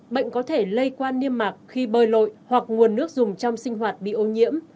bệnh có thể lây qua niêm mạc khi bơi lội hoặc nguồn nước dùng trong sinh hoạt bị ô nhiễm